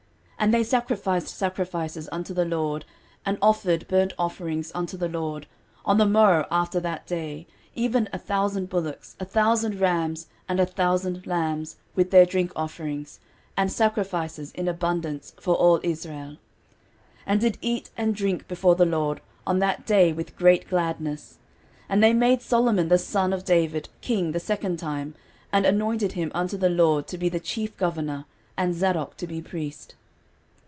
13:029:021 And they sacrificed sacrifices unto the LORD, and offered burnt offerings unto the LORD, on the morrow after that day, even a thousand bullocks, a thousand rams, and a thousand lambs, with their drink offerings, and sacrifices in abundance for all Israel: 13:029:022 And did eat and drink before the LORD on that day with great gladness. And they made Solomon the son of David king the second time, and anointed him unto the LORD to be the chief governor, and Zadok to be priest.